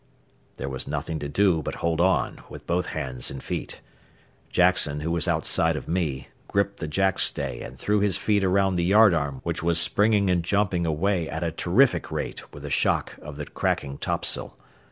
There was nothing to do but hold on with both hands and feet. Jackson, who was outside of me, gripped the jackstay and threw his feet around the yard arm which was springing and jumping away at a terrific rate with the shock of the cracking topsail.